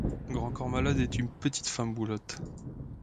Grand corps malade est une petite femme boulotte.